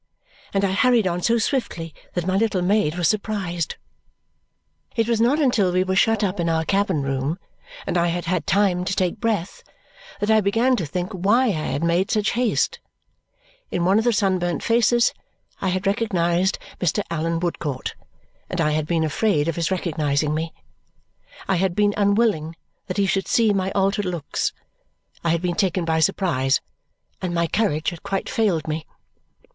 And I hurried on so swiftly that my little maid was surprised. It was not until we were shut up in our cabin room and I had had time to take breath that I began to think why I had made such haste. In one of the sunburnt faces I had recognized Mr. Allan Woodcourt, and I had been afraid of his recognizing me. I had been unwilling that he should see my altered looks. I had been taken by surprise, and my courage had quite failed me.